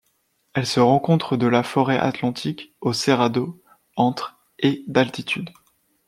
Elle se rencontre de la forêt atlantique au Cerrado entre et d'altitude.